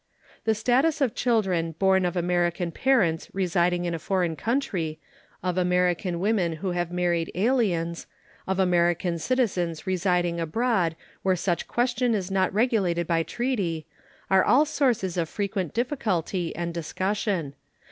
The status of children born of American parents residing in a foreign country, of American women who have married aliens, of American citizens residing abroad where such question is not regulated by treaty, are all sources of frequent difficulty and discussion.